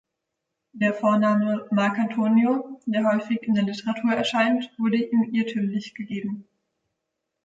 Der Vorname Marc’Antonio, der häufig in der Literatur erscheint, wurde ihm irrtümlich gegeben.